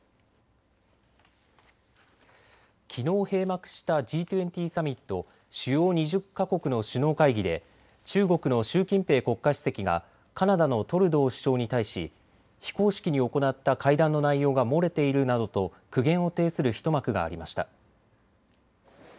きのう閉幕したＧ２０サミット・主要２０か国の首脳会議で中国の習近平国家主席がカナダのトルドー首相に対し非公式に行った会談の内容が漏れているなどと苦言を呈する一幕がありました。